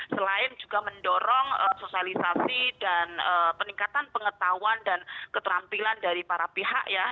selain juga mendorong sosialisasi dan peningkatan pengetahuan dan keterampilan dari para pihak ya